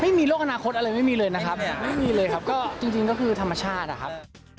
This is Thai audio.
ไม่มีโรคอนาคตอะไรไม่มีเลยนะครับไม่มีเลยครับก็จริงก็คือธรรมชาติอะครับ